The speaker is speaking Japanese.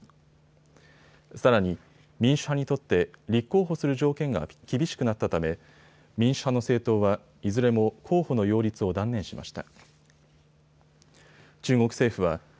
さらに民主派にとって立候補する条件が厳しくなったため民主派の政党はいずれも候補の擁立を断念しました。